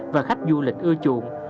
và khách du lịch ưa chuộng